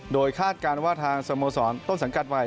โดยคาดการณ์ว่าทางสโมสรต้นสังกัดใหม่